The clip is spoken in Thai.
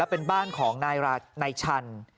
และเป็นบ้านของนายราชนายชัน